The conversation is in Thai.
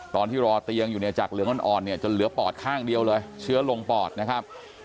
ตอนที่รอเตียงอยู่เนี่ยจากเหลืองอ่อนเนี่ยจนเหลือปอดข้างเดียวเลยเชื้อลงปอดนะครับ